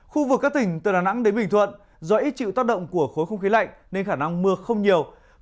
khu vực các tỉnh từ đà nẵng đến bình thuận do ít chịu tác động của khối không khí lạnh nên khả năng mưa không nhiều